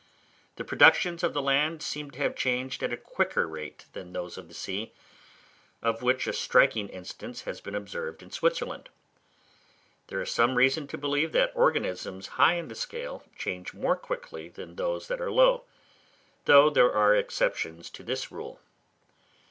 The productions of the land seem to have changed at a quicker rate than those of the sea, of which a striking instance has been observed in Switzerland. There is some reason to believe that organisms high in the scale, change more quickly than those that are low: though there are exceptions to this rule.